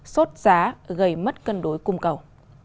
sốt giá gây mất cân đối cung cầu